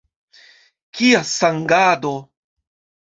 Kia sangado!